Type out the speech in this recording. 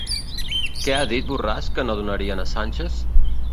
Què ha dit Borràs que no donarien a Sánchez?